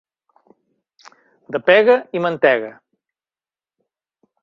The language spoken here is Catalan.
De pega i mantega.